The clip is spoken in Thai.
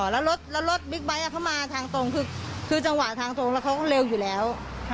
แล้วรถบิ๊กไบท์เขามาทางตรงคือจังหวะทางตรงแล้วเขาก็เร็วอยู่แล้ว